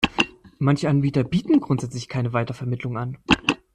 Manche Anbieter bieten grundsätzlich keine Weitervermittlung an.